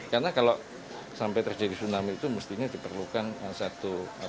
karena kalau sampai terjadi tsunami itu mestinya diperlukan satu longsoran yang sangat amat besar